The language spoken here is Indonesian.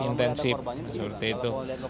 intensif seperti itu